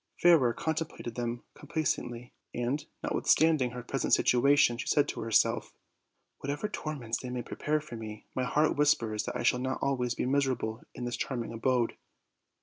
Fairer contem plated them complacently, and, notwithstanding her present situation," she said to herself: "Whatever tor ments they may prepare for me, my heart whispers that I shall not always be i miserable in this charming abode."